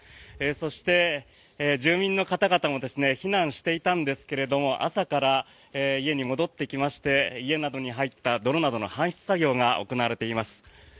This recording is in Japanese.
そして、住民の方々も避難していたんですが朝から家に戻ってきまして家などに入った泥などの搬出作業が行われています。